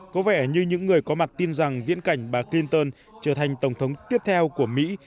có vẻ như những người có mặt tin rằng viễn cảnh bà clinton trở thành tổng thống tiếp theo của mỹ